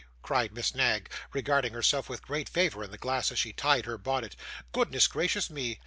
cried Miss Knag, regarding herself with great favour in the glass as she tied her bonnet. 'Goodness gracious me!